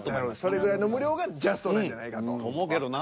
それぐらいの無料がジャストなんじゃないかと。と思うけどな。